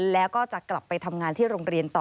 แล้วก็จะกลับไปทำงานที่โรงเรียนต่อ